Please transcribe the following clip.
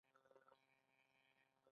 ایا زما وینه به ښه شي؟